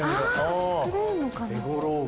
あ作れるのかな。